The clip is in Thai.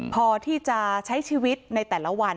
พอที่จะใช้ชีวิตในแต่ละวัน